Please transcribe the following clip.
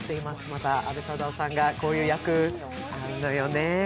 また阿部サダヲさんがこういう役、合うのよね。